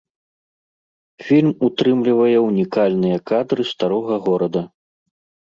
Фільм утрымлівае ўнікальныя кадры старога горада.